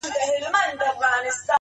ځان وړوکی لکه سوی راته ښکاریږي.!